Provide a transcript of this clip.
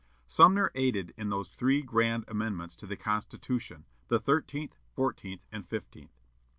Sumner aided in those three grand amendments to the Constitution, the thirteenth, fourteenth, and fifteenth.